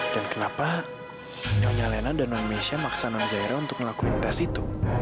dan kenapa nyonya lena dan non maisya maksa non zahira untuk ngelakuin tes itu